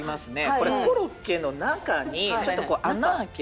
これコロッケの中にちょっとこう。